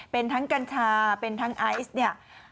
เป็นทั้งกัญชาเป็นทั้งไอซ์เนี่ย